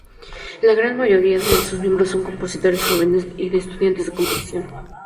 La gran mayoría de sus miembros son compositores jóvenes y estudiantes de composición.